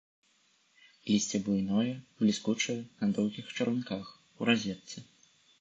Лісце буйное, бліскучае, на доўгіх чаранках, у разетцы.